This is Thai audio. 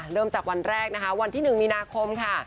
เริ่มจากวันแรกนะคะวันที่๑มีนาคมค่ะ